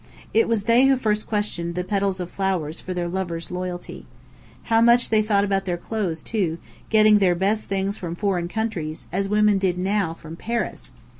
It was they who first questioned the petals of flowers for their lovers' loyalty. How much they thought about their clothes, too, getting their best things from foreign countries, as women did now, from Paris!